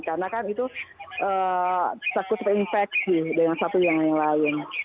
karena kan itu satu terinfeksi dengan satu yang lain